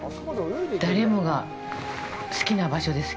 誰もが好きな場所です。